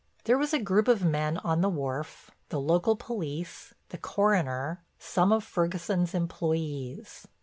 There was a group of men on the wharf, the local police, the coroner, some of Ferguson's employees.